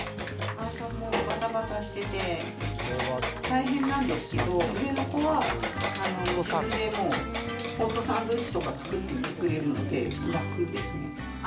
朝もばたばたしてて大変なんですけど、上の子は自分でもうホットサンドイッチとか作ってくれるので、楽ですね。